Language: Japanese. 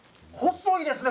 細いですね。